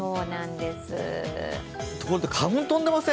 ところで花粉飛んでません？